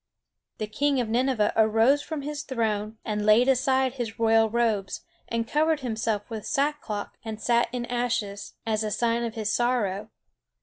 The king of Nineveh arose from his throne, and laid aside his royal robes, and covered himself with sack cloth and sat in ashes, as a sign of his sorrow.